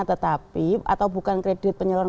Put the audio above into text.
tetapi atau bukan kredit penyeluruhan